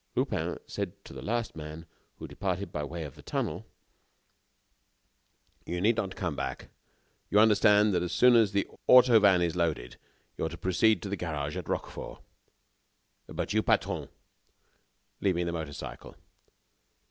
Lupin said to the last man who departed by way of the tunnel: "You need not come back. You understand, that as soon as the auto van is loaded, you are to proceed to the grange at Roquefort." "But you, patron?" "Leave me the motor cycle."